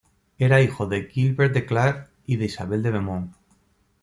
Era hijo de Gilbert de Clare y de Isabel de Beaumont.